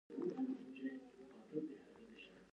د بانک له لارې د پیسو اخیستل ډیر باوري دي.